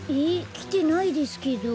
きてないですけど。